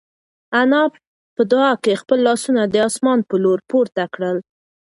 انا په دعا کې خپل لاسونه د اسمان په لور پورته کړل.